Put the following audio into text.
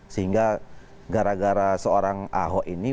sehingga gara gara seorang ahok ini